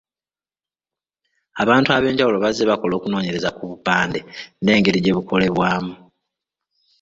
Abantu ab'enjawulo bazze bakola okunoonyereza ku bupande n'engeri gye bukolebwamu.